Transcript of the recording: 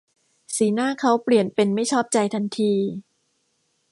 สีหน้าเค้าเปลี่ยนเป็นไม่ชอบใจทันที